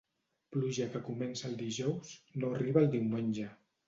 Pluja que comença el dijous no arriba al diumenge.